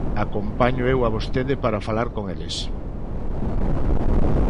Acompáñoo eu a vostede para falar con eles.